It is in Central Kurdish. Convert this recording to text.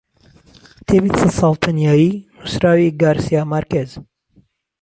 کتێبی سەد ساڵ تەنیایی نووسراوی گارسیا مارکێز